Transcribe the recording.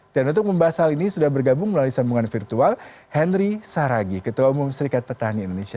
dan untuk membahas hal ini sudah bergabung melalui sambungan virtual henry saragi ketua umum serikat petani indonesia